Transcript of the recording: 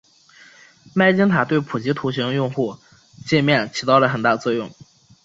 麦金塔对普及图形用户界面起到了很大作用。